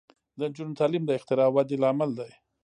د نجونو تعلیم د اختراع ودې لامل دی.